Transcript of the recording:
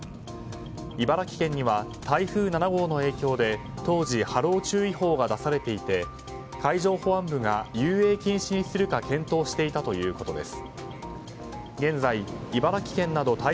茨城県には台風７号の影響で当時、波浪注意報が出されていて海上保安部が遊泳禁止にするか検討していたということです。